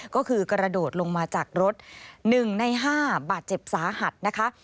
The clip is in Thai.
ก็คือกระโดดลงมาจากรถ๑ใน๕บาดเจ็บสาหัสนะคะ